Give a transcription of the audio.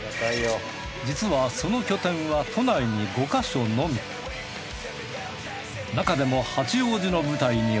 実はその拠点は都内に５か所のみうわぁ